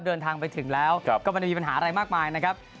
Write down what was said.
เดินทางไปถึงแล้วก็ไม่ได้มีปัญหาอะไรมากมายนะครับ